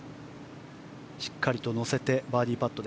しっかり乗せてのバーディーパット。